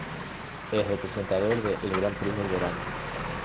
Es el predecesor de El Grand Prix del verano.